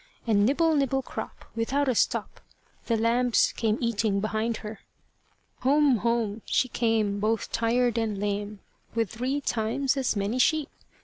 And nibble, nibble crop! without a stop! The lambs came eating behind her. Home, home she came, both tired and lame, With three times as many sheep.